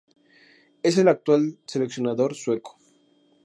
Es el actual seleccionador sueco.